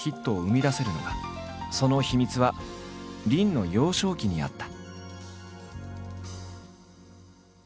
その秘密は林の幼少期にあった。